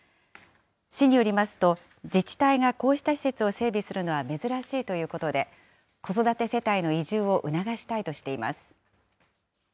市によりますと、自治体がこうした施設を整備するのは珍しいということで、子育て世帯の移住を促したいとしています。